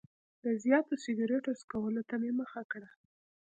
د زیاتو سګرټو څکولو ته مې مخه کړه.